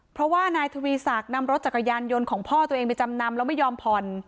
เพราะว่านายทวีศักดิ์นำรถจักรยานยนต์ของพ่อตัวเองไปจำนำแล้วไม่ยอมผ่อน